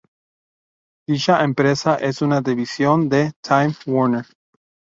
Dicha empresa es una división de Time Warner.